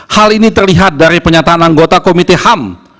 hal ini terlihat dari penyataan anggota komite ham